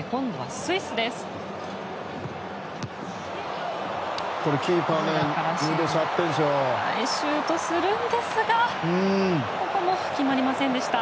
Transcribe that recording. シュートするんですがここも決まりませんでした。